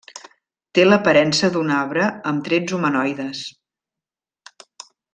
Té l'aparença d'un arbre amb trets humanoides.